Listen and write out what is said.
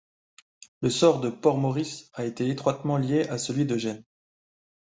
Le sort de Port-Maurice a été étroitement lié à celui de Gênes.